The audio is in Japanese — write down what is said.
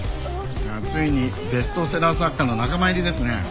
ついにベストセラー作家の仲間入りですね。